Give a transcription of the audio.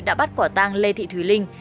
đã bắt quả tang lê thị thùy linh